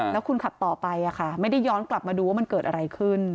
แล้วคุณขับต่อไปไม่ได้ย้อนกลับมาดูว่ามันเกิดอะไรขึ้น